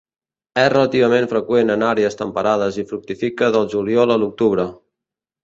És relativament freqüent en àrees temperades i fructifica del juliol a l'octubre.